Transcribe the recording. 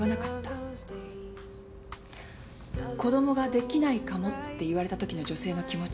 子供ができないかもって言われたときの女性の気持ち